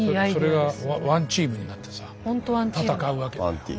それがワンチームになってさ戦うわけだよ。